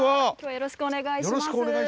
よろしくお願いします。